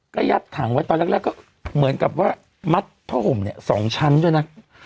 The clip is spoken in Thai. ก็ยัดถังไว้ตอนแรกก็เหมือนกับว่ามัดผ้าห่มเนี่ย๒ชั้นด้วยนะ